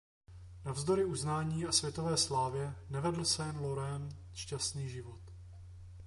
Navzdory uznání a světové slávě nevedl Saint Laurent šťastný život.